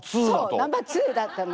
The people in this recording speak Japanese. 「ナンバー２」だったの！